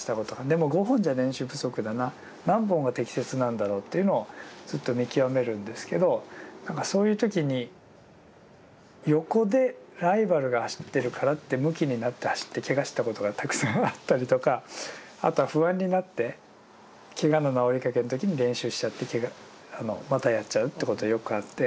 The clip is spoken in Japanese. でも５本じゃ練習不足だな何本が適切なんだろうというのをずっと見極めるんですけどそういう時に横でライバルが走ってるからってむきになって走ってけがしたことがたくさんあったりとかあとは不安になってけがの治りかけの時に練習しちゃってまたやっちゃうってことがよくあって。